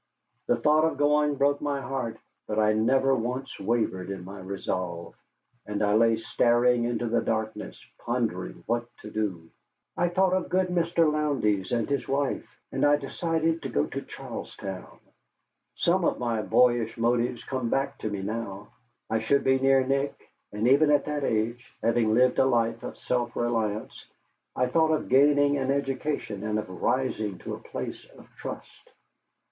The thought of going broke my heart, but I never once wavered in my resolve, and I lay staring into the darkness, pondering what to do. I thought of good Mr. Lowndes and his wife, and I decided to go to Charlestown. Some of my boyish motives come back to me now: I should be near Nick; and even at that age, having lived a life of self reliance, I thought of gaining an education and of rising to a place of trust.